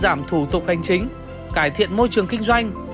giảm thủ tục hành chính cải thiện môi trường kinh doanh